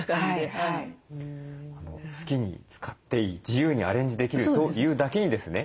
好きに使っていい自由にアレンジできるというだけにですね